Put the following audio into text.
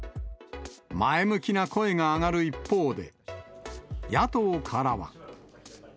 前向きな声が上がる一方で、野党からは。